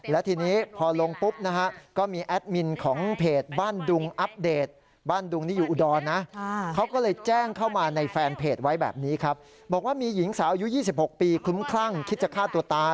และทีนี้พอลงปุ๊บนะฮะก็มีแอดมินของเพจบ้านดุงอัปเดต